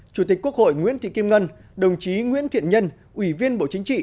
chủ tịch quốc hội nguyễn thị kim ngân đồng chí nguyễn thiện nhân ủy viên bộ chính trị